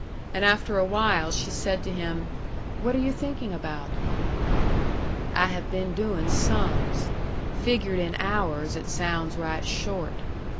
And after a while she said to him, "What are you thinking about?" "I have been doing sums. Figured in hours it sounds right short.